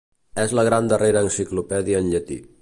És la gran darrera enciclopèdia en llatí.